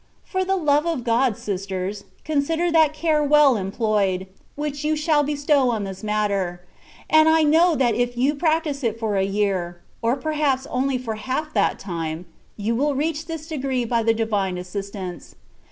For the love of God, sisters, con aider that care w€ll employed, which you ^aU bestow on this matter; and I know that if you practise it for a year, or perhaps only for half that time, you will reach this degree by the Divine assistance.